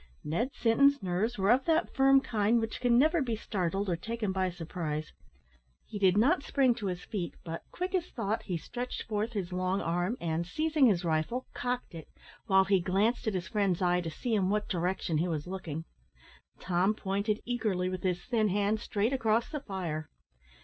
Ned Sinton's nerves were of that firm kind which can never be startled or taken by surprise. He did not spring to his feet, but, quick as thought, he stretched forth his long arm, and, seizing his rifle, cocked it, while he glanced at his friend's eye to see in what direction he was looking. Tom pointed eagerly with his thin hand straight across the fire.